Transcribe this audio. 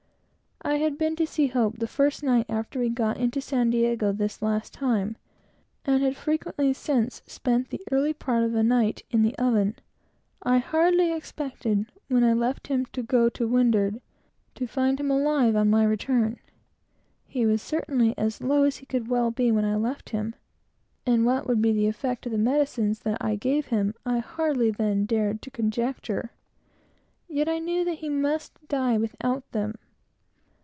I had been to see Hope the first night after we got into San Diego this last time, and had frequently since spent the early part of a night in the oven. I hardly expected, when I left him to go to windward, to find him alive upon my return. He was certainly as low as he could well be when I left him, and what would be the effect of the medicines that I gave him, I hardly then dared to conjecture. Yet I knew that he must die without them.